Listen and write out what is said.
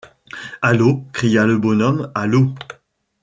À l’eau? cria le bonhomme, à l’eau!